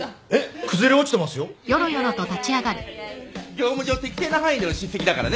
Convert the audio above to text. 業務上適正な範囲での叱責だからね。